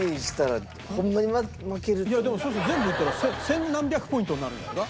でもそれこそ全部いったら千何百ポイントになるんじゃないか？